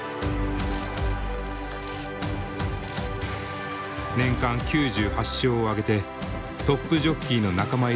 年間９８勝を挙げてトップジョッキーの仲間入りを果たした。